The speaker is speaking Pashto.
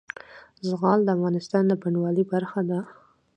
زغال د افغانستان د بڼوالۍ برخه ده.